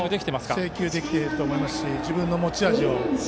ほぼ制球できていると思いますし自分の持ち味を。